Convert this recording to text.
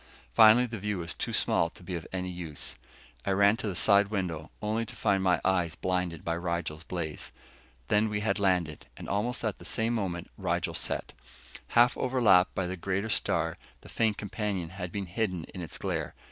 Finally the view was too small to be of any use. I ran to the side window, only to find my eyes blinded by Rigel's blaze. Then we had landed, and almost at the same moment Rigel set. Half overlapped by the greater star, the faint companion had been hidden in its glare.